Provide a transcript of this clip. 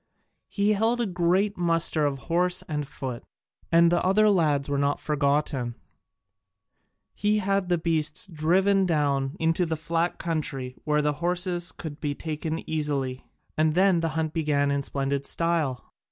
He held a great muster of horse and foot, and the other lads were not forgotten: he had the beasts driven down into the flat country where the horses could be taken easily, and then the hunt began in splendid style.